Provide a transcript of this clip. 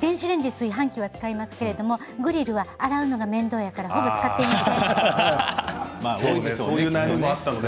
電子レンジ、炊飯器は使いますけどグリルは洗うのが面倒なので使っていません。